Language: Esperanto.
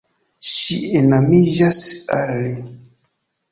Ŝi enamiĝas al li.